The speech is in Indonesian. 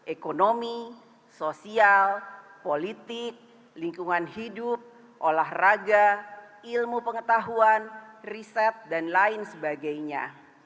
ekonomi sosial politik lingkungan hidup olahraga ilmu pengetahuan riset dan lain sebagainya